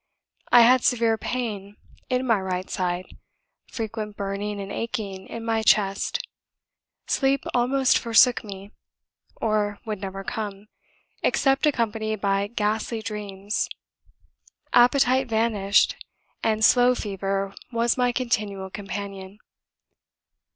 I had severe pain in my right side, frequent burning and aching in my chest; sleep almost forsook me, or would never come, except accompanied by ghastly dreams; appetite vanished, and slow fever was my continual companion.